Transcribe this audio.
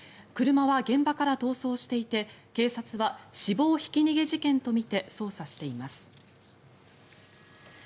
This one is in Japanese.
車は現場から逃走していて警察は死亡ひき逃げ事件とみて捜査しています。